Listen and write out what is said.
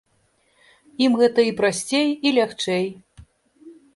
Ім гэта і прасцей, і лягчэй.